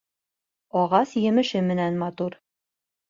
Ағас емеше менән матур.